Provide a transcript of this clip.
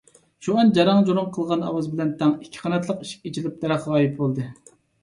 شۇئان جاراڭ - جۇراڭ قىلغان ئاۋاز بىلەن تەڭ ئىككى قاناتلىق ئىشىك ئېچىلىپ دەرەخ غايىب بولدى.